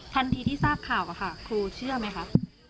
ทันทีที่ทราบข่าวค่ะครูเชื่อไหมคะ